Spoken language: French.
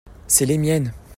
c'est les miennes.